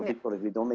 tidak ada perbedaan